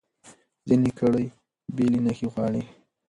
ځینې ګړې بېلې نښې غواړي.